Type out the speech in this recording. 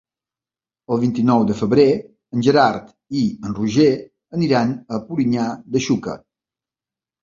El vint-i-nou de febrer en Gerard i en Roger aniran a Polinyà de Xúquer.